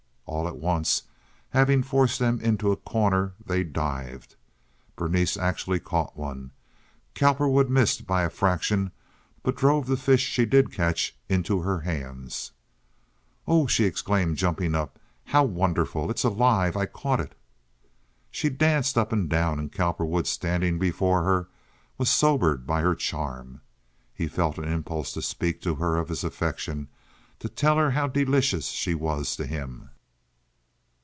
All at once, having forced them into a corner, they dived; Berenice actually caught one. Cowperwood missed by a fraction, but drove the fish she did catch into her hands. "Oh," she exclaimed, jumping up, "how wonderful! It's alive. I caught it." She danced up and down, and Cowperwood, standing before her, was sobered by her charm. He felt an impulse to speak to her of his affection, to tell her how delicious she was to him.